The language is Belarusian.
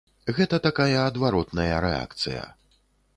Гэта такая адваротная рэакцыя.